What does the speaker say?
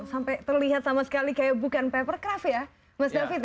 sampai terlihat sama sekali kayak bukan paper craft ya mas david